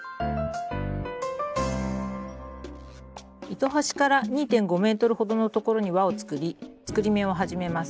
糸端から２．５ｍほどのところに輪を作り作り目を始めます。